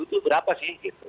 itu berapa sih